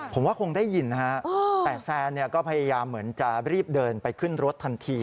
ผมว่าคงได้ยินนะฮะแต่แซนก็พยายามเหมือนจะรีบเดินไปขึ้นรถทันที